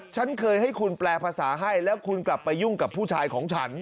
ฉันเคยให้คุณแปลภาษาให้แล้วคุณกลับไปยุ่งกับผู้ชายของฉัน